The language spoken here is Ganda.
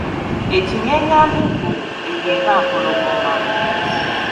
Ekinyeenyambubbu eyo eba mpologoma.